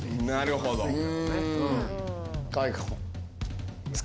なるほど。